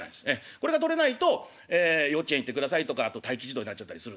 これが取れないと幼稚園行ってくださいとか待機児童になっちゃったりするんですね。